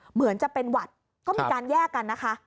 เหมือนจะเป็นหวัดก็มีการแยกกันนะคะ